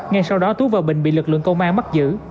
ngay sau đó tú và bình bị lực lượng công an bắt giữ